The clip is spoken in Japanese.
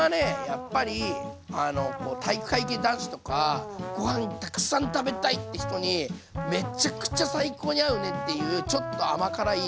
やっぱり体育会系男子とかご飯たくさん食べたいって人にめちゃくちゃ最高に合うねっていう